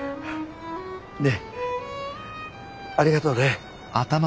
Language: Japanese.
ねえありがとね。